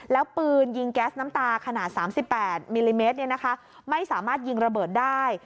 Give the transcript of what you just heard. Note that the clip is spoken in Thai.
แล้วปืนยิงแก๊สน้ำตาขนาด๓๘มิลลิเมตรไม่สามารถยิงระเบิดได้